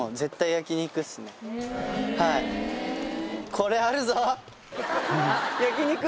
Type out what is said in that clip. これあるぞ！